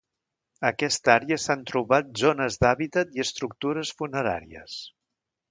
A aquesta àrea s'han trobat zones d'hàbitat i estructures funeràries.